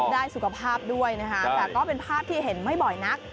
ได้สุขภาพด้วยนะคะแต่ก็เป็นภาพที่เห็นไม่บ่อยนัก